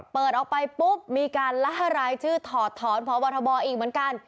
เปิดออกไปปุ๊บมีการล่ารายชื่อถอดถอนพบทบอีกเหมือนกัน